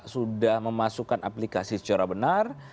sudah memasukkan aplikasi secara benar